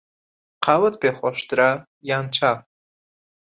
قاوەت پێ خۆشترە یان چا؟